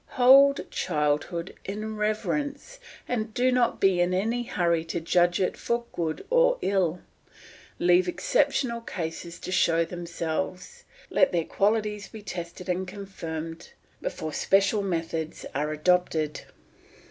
Hold childhood in reverence, and do not be in any hurry to judge it for good or ill. Leave exceptional cases to show themselves, let their qualities be tested and confirmed, before special methods are adopted.